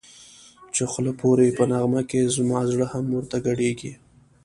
چی خوله پوری په نغمه کی زما زړه هم ورته گډېږی